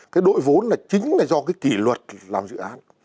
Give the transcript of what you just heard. cái đội vốn là chính là do cái kỷ luật làm dự án